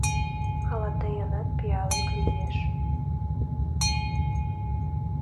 — Ала тыйынат пиалет лиеш.